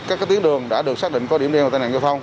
các tuyến đường đã được xác định có điểm đen và tai nạn giao thông